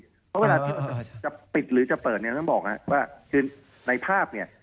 เพราะเวลาเธอจะปิดหรือจะเปิดเนี่ยต้องบอกว่าคือในภาพเนี่ย